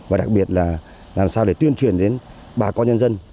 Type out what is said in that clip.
và đặc biệt là làm sao để tuyên truyền đến bà con nhân dân